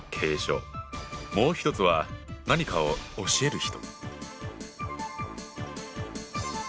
もう１つは「何かを教える人」。